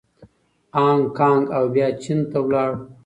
هانګکانګ او بیا چین ته لاړ.